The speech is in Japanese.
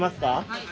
はい。